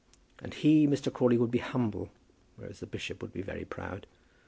And he, Mr. Crawley, would be humble, whereas the bishop would be very proud.